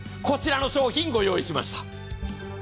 こちらの商品ご用意しました。